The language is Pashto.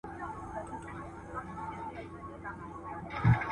ټولنپوهنه د نوښتونو پایلې ارزوي.